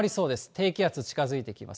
低気圧近づいてきます。